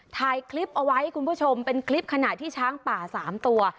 ถ่ายคลิปเอาไว้คุณผู้ชมเป็นคลิปขณะที่ช้างป่า๓ตัว